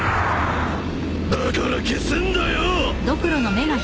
だから消すんだよ！